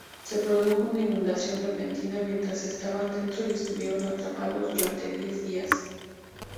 Se produjo una inundación repentina mientras estaban dentro y estuvieron atrapados durante diez días.